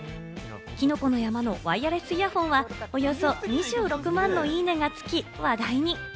きのこの山のワイヤレスイヤホンは、およそ２６万のいいねがつき話題に。